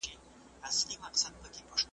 نه به کور په کور په ښار کي تربګني وای `